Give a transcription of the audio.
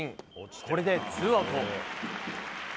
これでツーアウト。